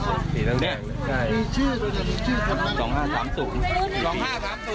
สี่หล่งมีชื่อสี่หล่งนี้สองห้าสามศูนย์สองห้าสามศูนย์